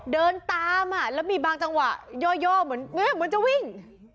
เดินตามแล้วมีบางจังหวะย่อเหมือนจะวิ่ง